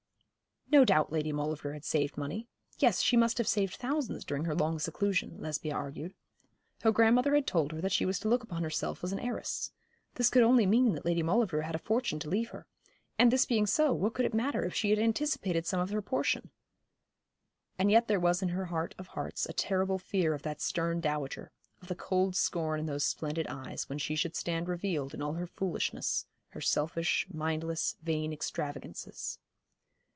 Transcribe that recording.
No doubt Lady Maulevrier had saved money; yes, she must have saved thousands during her long seclusion, Lesbia argued. Her grandmother had told her that she was to look upon herself as an heiress. This could only mean that Lady Maulevrier had a fortune to leave her; and this being so, what could it matter if she had anticipated some of her portion? And yet there was in her heart of hearts a terrible fear of that stern dowager, of the cold scorn in those splendid eyes when she should stand revealed in all her foolishness, her selfish, mindless, vain extravagances.